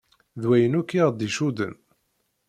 D wayen akk i ɣ-icudden.